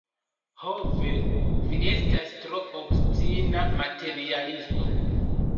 Ho ve, vi estas tro obstina materialisto.